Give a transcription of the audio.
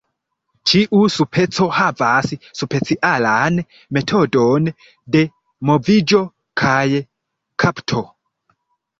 Ĉiu speco havas specialan metodon de moviĝo kaj kapto.